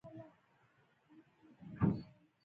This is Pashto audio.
نوې چوکۍ نرمه او آرامه وي